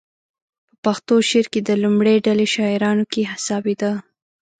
په پښتو شعر کې د لومړۍ ډلې شاعرانو کې حسابېده.